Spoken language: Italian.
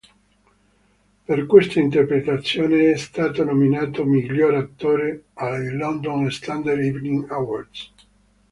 Per questa interpretazione è stato nominato miglior attore ai London Standard Evening Awards.